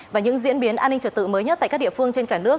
và những diễn biến an ninh trật tự mới nhất tại các địa phương trên cả nước